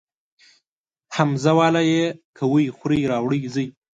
همزه واله ئ کوئ خورئ راوړئ ځئ